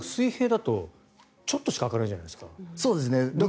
水平だとちょっとしか開かないじゃないですか。